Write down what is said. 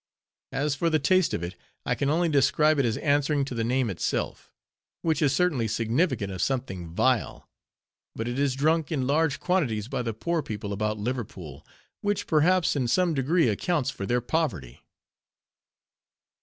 As for the taste of it, I can only describe it as answering to the name itself; which is certainly significant of something vile. But it is drunk in large quantities by the poor people about Liverpool, which, perhaps, in some degree, accounts for their poverty.